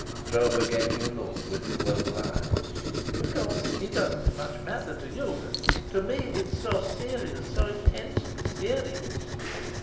Stroeve gave me a look with his woeful eyes. "Of course it doesn't much matter to you, but to me it's so serious, so intensely serious."